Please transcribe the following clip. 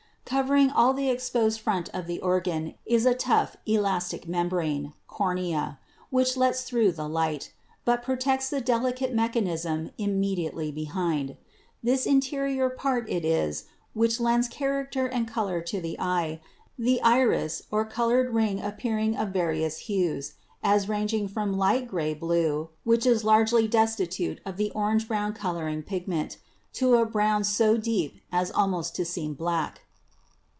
Covering all the exposed front of the organ is a tough elastic membrane (cornea), which lets through the light, but protects the delicate mechanism immediately behind. This interior part it is which lends character and color to the eye, the iris or colored ring appearing of various hues — as ranging from a light gray blue, which is largely destitute of the orange brown coloring pigment, to a brown so deep as almost to seem black.